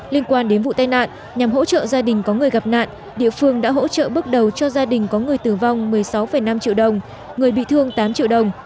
liên quan đến vụ tai nạn nhằm hỗ trợ gia đình có người gặp nạn địa phương đã hỗ trợ bước đầu cho gia đình có người tử vong một mươi sáu năm triệu đồng người bị thương tám triệu đồng